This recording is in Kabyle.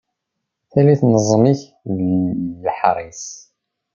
Tallit n ẓẓmik d leḥris.